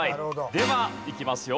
ではいきますよ。